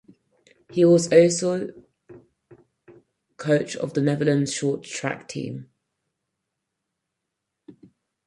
He was also coach of the Netherlands short track team.